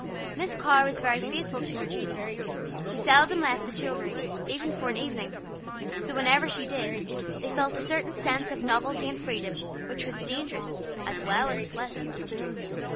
Miss Carr was very faithful to her duties: she seldom left the children, even for an evening, so whenever she did, they felt a certain sense of novelty and freedom, which was dangerous as well as pleasant.